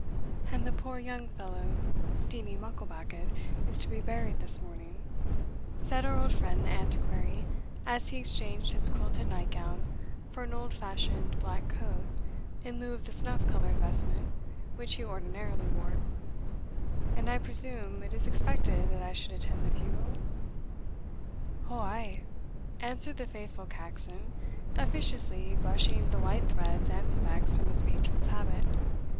"And the poor young fellow, Steenie Mucklebackit, is to be buried this morning," said our old friend the Antiquary, as he exchanged his quilted night gown for an old fashioned black coat in lieu of the snuff coloured vestment which he ordinarily wore, "and, I presume, it is expected that I should attend the funeral?" "Ou, ay," answered the faithful Caxon, officiously brushing the white threads and specks from his patron's habit.